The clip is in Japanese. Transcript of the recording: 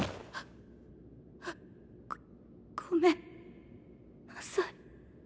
ごごめんなさい。